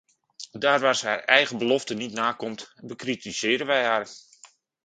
Daar waar ze haar eigen beloften niet nakomt, bekritiseren wij haar.